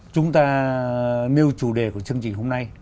chúng ta nêu chủ đề của chương trình hôm nay